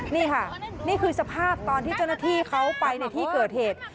นี่ค่ะนี่คือสภาพตอนที่เจ้าหน้าที่เขาไปในที่เกิดเหตุ